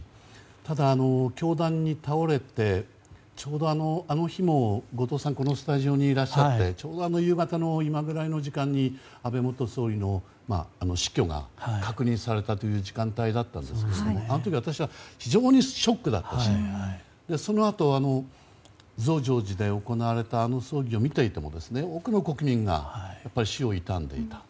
ただ凶弾に倒れてちょうどあの日も後藤さんはこのスタジオにいらっしゃって、ちょうど夕方の今くらいの時間帯に死去が確認されたという時間帯だったんですがあの時私は非常にショックだったしそのあと、増上寺で行われた葬儀を見ていても多くの国民が死を悼んでいた。